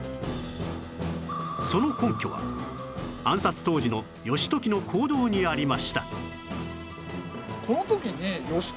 その根拠は暗殺当時の義時の行動にありました